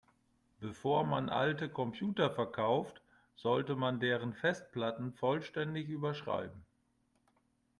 Bevor man alte Computer verkauft, sollte man deren Festplatten vollständig überschreiben.